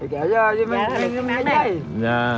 kẹo rồi dùm ngay đây